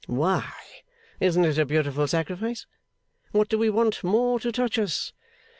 Why, isn't it a beautiful sacrifice? What do we want more to touch us?